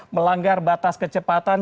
melanggar batas kecepatan